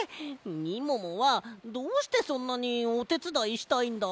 みももはどうしてそんなにおてつだいしたいんだ？